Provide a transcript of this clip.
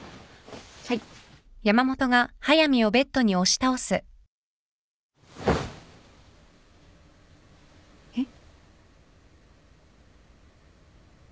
はい。えっ？